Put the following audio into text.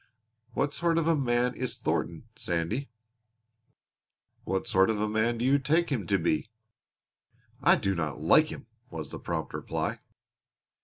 "What sort of a man is Thornton, Sandy?" "What sort of a man do you take him to be?" "I do not like him!" was the prompt reply.